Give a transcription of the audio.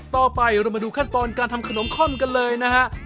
ต่อไปเรามาดูขั้นตอนการทำขนมค่อนกันเลยนะฮะ